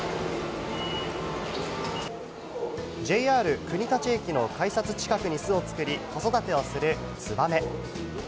ＪＲ国立駅の改札近くに巣を作り、子育てをするツバメ。